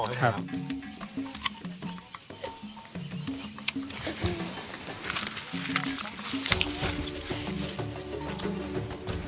ครับ